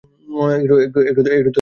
একটু থাকো, এই কিছুক্ষণ।